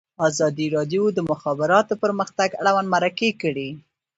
ازادي راډیو د د مخابراتو پرمختګ اړوند مرکې کړي.